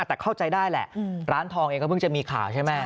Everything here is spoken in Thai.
แต่เข้าใจได้แหละร้านทองเองก็เพิ่งจะมีข่าวใช่ไหม